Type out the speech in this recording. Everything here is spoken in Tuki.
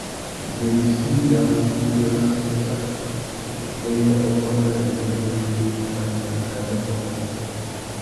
Ibirichi ya wuchi ya massissa utênê ôbôt nà ibi râ undiri ; arandissaki amê i tôngômú.